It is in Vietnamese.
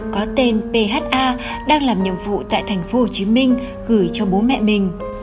có tên phà đang làm nhiệm vụ tại tp hcm gửi cho bố mẹ mình